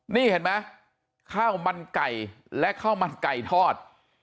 นี่เห็นไหมข้าวมันไก่และข้าวมันไก่ทอด